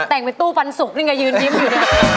แต่งเป็นตู้ฟันสุกยิงกระยืนยิ้มอยู่